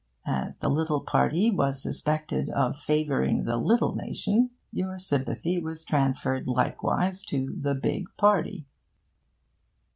As the little party was suspected of favouring the little nation, your sympathy was transferred likewise to the big party.